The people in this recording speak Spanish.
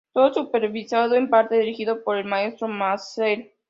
Todo supervisado, en parte dirigido, por el maestro Maazel.